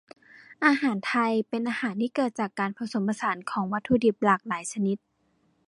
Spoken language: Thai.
อาหารไทย เป็นอาหารที่เกิดจากการผสมผสานของวัตถุดิบหลากหลายชนิด